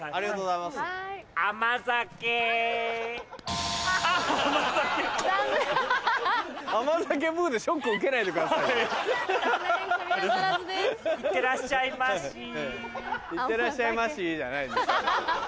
「いってらっしゃいまし！」じゃないんですよ。